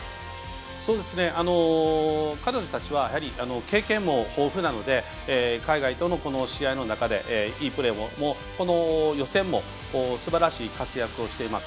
彼女たちは経験も豊富なので海外との試合の中でいいプレーを、この予選もすばらしい活躍をしています。